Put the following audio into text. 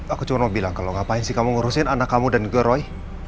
aku cuma mau bilang kalau ngapain sih kamu ngurusin anak kamu dan juga roy